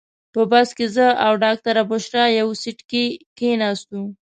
په بس کې زه او ډاکټره بشرا یو سیټ کې کېناستو.